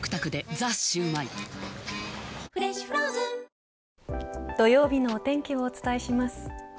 「ザ★シュウマイ」土曜日のお天気をお伝えします。